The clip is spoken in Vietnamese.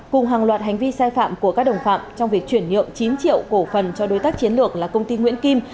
cùng hàng loạt hành vi sai phạm của các đồng phạm trong việc chuyển nhượng chín triệu cổ phần cho đối tác chiến lược là công ty nguyễn kim